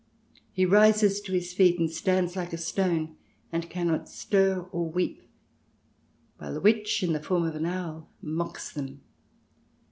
He rises to his feet and stands like a stone, and cannot stir or weep, while the witch, in the form of an owl, mocks them.